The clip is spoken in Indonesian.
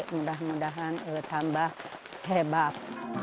mudah mudahan tambah hebat